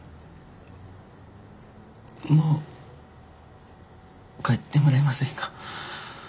もう帰ってもらえませんか。